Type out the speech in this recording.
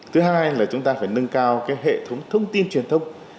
thứ hai là chúng ta phải nâng cao hệ thống thông tin truyền thông